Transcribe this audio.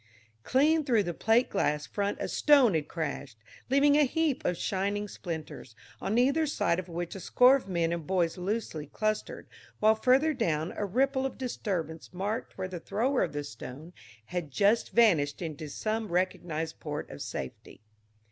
Clean through the plate glass front a stone had crashed, leaving a heap of shining splinters, on either side of which a score of men and boys loosely clustered, while further down a ripple of disturbance marked where the thrower of the stone had just vanished into some recognized port of safety.